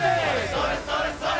それそれそれ。